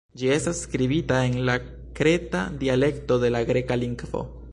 Ĝi estas skribita en la Kreta dialekto de la Greka lingvo.